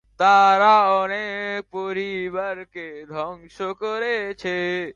তারা অনেক পরিবারকে ধ্বংস করেছে।